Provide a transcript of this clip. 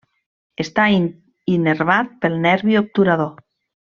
Està innervat pel nervi obturador.